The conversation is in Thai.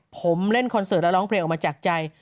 ผมเล่นคอนเสิร์ตแล้วร้องเพลงออกมาจากใจ